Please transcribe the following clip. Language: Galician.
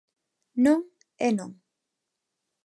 Non é non.